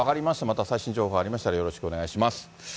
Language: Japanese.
また最新情報ありましたら、よろしくお願いします。